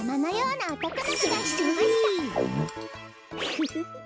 フフフフ。